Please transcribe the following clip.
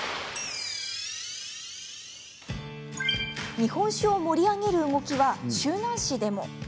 日本酒を盛り上げる動きは周南市でも。